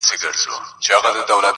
مېلمانه یې د مرګي لوی ډاکټران کړل!!